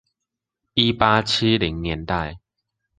一八七零年代